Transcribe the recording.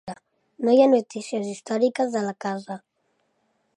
No hi ha notícies històriques de la casa.